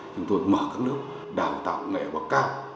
chúng tôi mở các lớp đào tạo nghệ bậc cao